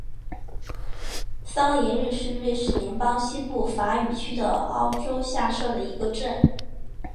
罗桑日是瑞士联邦西部法语区的沃州下设的一个镇。